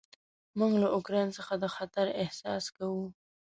موږ له اوکراین څخه د خطر احساس کوو.